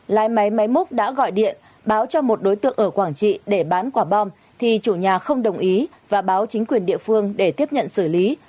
lái máy máy múc đã gọi điện báo cho một đối tượng ở quảng trị để bán quả bom thì chủ nhà không đồng ý và báo chính quyền địa phương để tiếp nhận xử lý